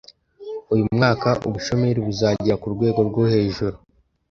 Uyu mwaka ubushomeri buzagera ku rwego rwo hejuru